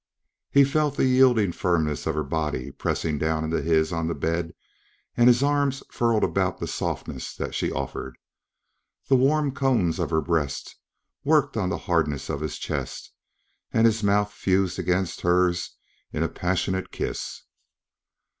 He felt the yielding firmness of her body pressing down into his on the bed and his arms furled about the softness that she offered. The warm cones of her breasts worked on the hardness of his chest and his mouth fused against hers in a passionate kiss.